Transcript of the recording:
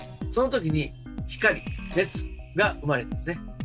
そのときに「光」「熱」が生まれてるんですね。